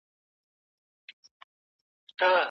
په شپږ کلنی کي ولیکی